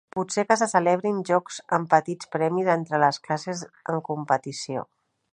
Pot ser que se celebrin jocs amb petits premis entre les classes en competició.